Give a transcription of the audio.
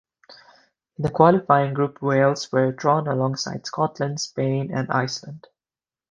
In the qualifying group Wales were drawn alongside Scotland, Spain and Iceland.